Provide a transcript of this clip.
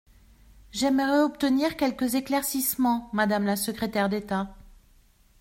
J’aimerais obtenir quelques éclaircissements, madame la secrétaire d’État.